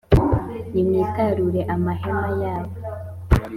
nimwitarure amahema y aba